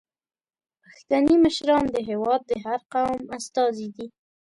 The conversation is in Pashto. پښتني مشران د هیواد د هر قوم استازي دي.